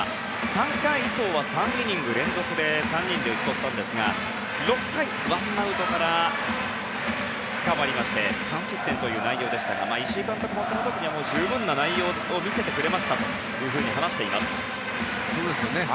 ３回以降は３イニング連続で打ち取ったんですが６回１アウトからつかまりまして３失点という内容でしたが石井監督もその時には十分な内容を見せてくれましたとそうですね。